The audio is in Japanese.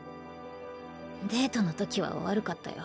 デートのときは悪かったよ。